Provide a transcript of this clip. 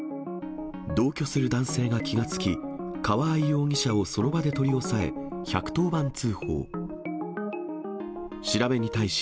同居する男性が気が付き、川合容疑者をその場で取り押さえ、１１０番通報。